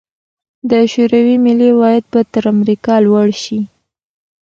د شوروي ملي عواید به تر امریکا لوړ شي.